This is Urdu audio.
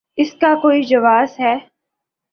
اس کا کوئی جواز ہے؟